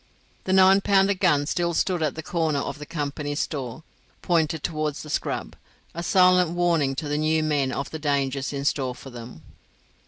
The nine pounder gun still stood at the corner of the company's store, pointed towards the scrub, a silent warning to the new men of the dangers in store for them.